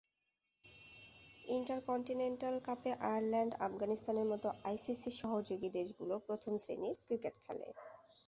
Intercontinental কাপে আয়ারল্যান্ড-আফগানিস্তানের মতো আইসিসির সহযোগী দেশগুলো প্রথম শ্রেণির ক্রিকেট খেলে।